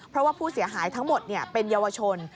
เพราะว่าผู้เสียหายทั้งหมดเป็นเยาวชน